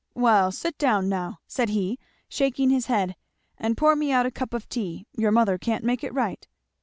"Well sit down now," said he shaking his head, "and pour me out a cup of tea your mother can't make it right."